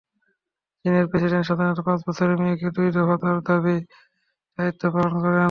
চীনের প্রেসিডেন্ট সাধারণত পাঁচ বছরের মেয়াদে দুই দফা তাঁর দায়িত্ব পালন করেন।